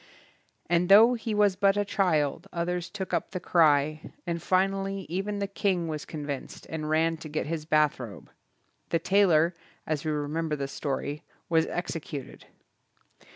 And though he was but a child others took up the cry, and finally even the king was con vinced and ran to get his bathrobe. The tailor, as we remember the story, was executed.